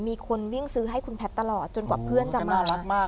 มีคนวิ่งซื้อให้คุณแพทย์ตลอดจนกว่าเพื่อนจะมารักมาก